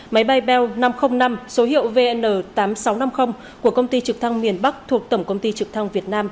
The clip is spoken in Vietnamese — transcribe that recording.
máy bay bong năm trăm linh năm số hiệu vn tám nghìn sáu trăm năm mươi của công ty trực thăng miền bắc thuộc tổng công ty trực thăng việt nam